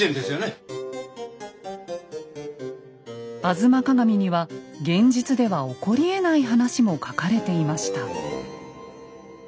「吾妻鏡」には現実では起こりえない話も書かれていました。